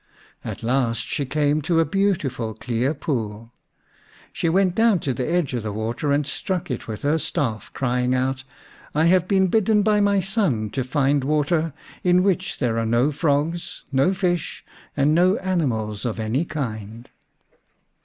At last she came to a beautiful clear pool. She went down to the edge of the water and struck it with her staff, crying 61 The Unnatural Mother vi out, " I have been bidden by my son to find water in which there are no frogs, no fish, and no animals of any kind."